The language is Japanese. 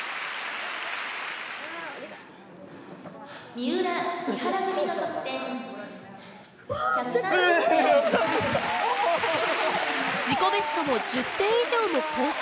「三浦木原組の得点１３０．８３」自己ベストも１０点以上も更新。